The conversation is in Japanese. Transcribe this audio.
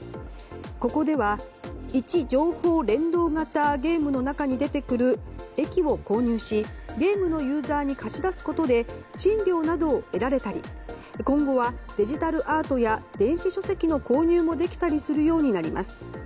ここでは位置情報連動型ゲームの中に出てくる駅を購入し、ゲームのユーザーに貸し出すことで賃料などを得られたり今後はデジタルアートや電子書籍の購入もできたりするようになります。